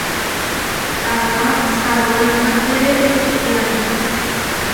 Taʼá sawaipatére ečitiáme.